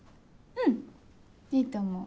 うんいいと思う。